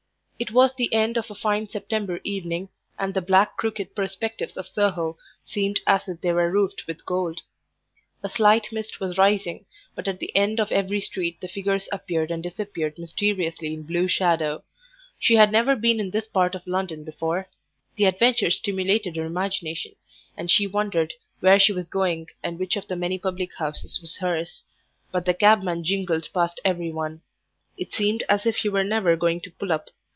It was the end of a fine September evening, and the black, crooked perspectives of Soho seemed as if they were roofed with gold. A slight mist was rising, and at the end of every street the figures appeared and disappeared mysteriously in blue shadow. She had never been in this part of London before; the adventure stimulated her imagination, and she wondered where she was going and which of the many public houses was hers. But the cabman jingled past every one. It seemed as if he were never going to pull up.